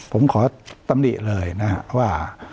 ผมขอตำหนิเลยนะครับว่า